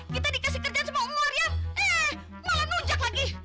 kita dikasih kerjaan sama umur yang malah nunjak lagi